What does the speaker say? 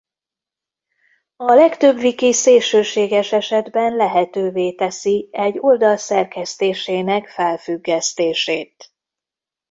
A legtöbb wiki szélsőséges esetben lehetővé teszi egy oldal szerkesztésének felfüggesztését.